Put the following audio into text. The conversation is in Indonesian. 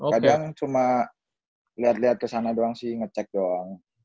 kadang cuma liat liat kesana doang sih ngecek doang